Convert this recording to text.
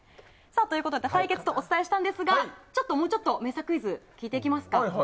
対決とお伝えしたんですがもうちょっと名作クイズを聞いていきますか？